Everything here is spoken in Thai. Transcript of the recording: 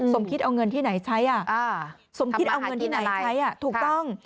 สมคิดเอาเงินที่ไหนใช้สมคิดเอาเงินที่ไหนใช้ถูกต้อง